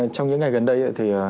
trong những ngày gần đây